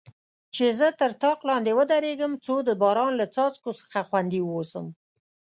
چې زه تر طاق لاندې ودریږم، څو د باران له څاڅکو څخه خوندي واوسم.